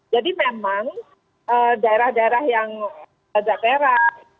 jadi memang daerah daerah yang geladak perak